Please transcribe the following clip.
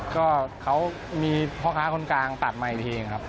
ก็เขามีพ่อค้าคนกลางตัดมาอีกทีครับ